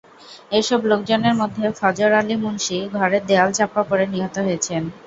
এসব লোকজনের মধ্যে ফজর আলী মুন্সি ঘরের দেয়াল চাপা পড়ে নিহত হয়েছেন।